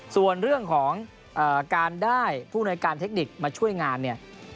ส่วนเรื่องของการได้ผู้อำนวยการเทคนิคมาช่วยงานเนี่ย